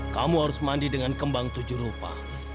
kamu harus mandi dengan kembang tujuh rupa